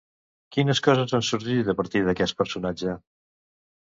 Quines coses han sorgit a partir d'aquest personatge?